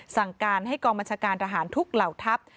สั่งการให้กองบัญชาการทหารทุกเหล่าทัพ